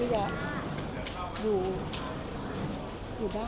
สวัสดีคุณครับ